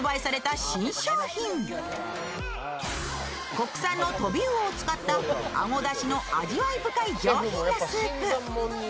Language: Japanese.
国産の飛び魚を使ったあごだしの味わい深い上品なスープ。